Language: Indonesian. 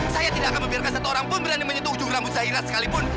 saya tidak akan membiarkan satu orang pun berani menyentuh ujung rambut saya sekalipun